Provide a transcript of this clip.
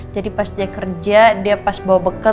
jadi pas dia kerja dia pas bawa bekal